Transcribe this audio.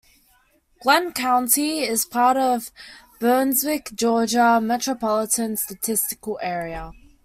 Glynn County is part of the Brunswick, Georgia Metropolitan Statistical Area.